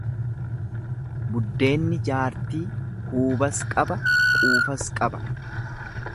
Biddeenni jaartii huubas qaba, quufas qaba.